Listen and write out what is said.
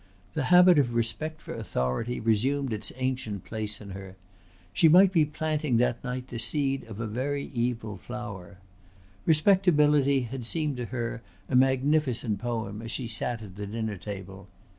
The habit of respect for authority resumed its ancient place in her. She might be planting that night the seed of a very evil flower. "Respectability" had seemed to her a magnificent poem as she sat at the dinner table.